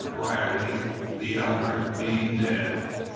Brierly, the elder, being dead!"